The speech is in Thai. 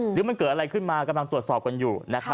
หรือมันเกิดอะไรขึ้นมากำลังตรวจสอบกันอยู่